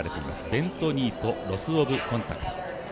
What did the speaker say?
ベント・ニーとロス・オブ・コンタクト。